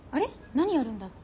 何やるんだっけ。